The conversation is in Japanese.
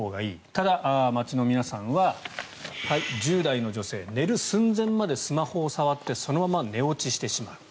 ただ、街の皆さんは１０代の女性寝る寸前までスマホを触ってそのまま寝落ちしてしまう。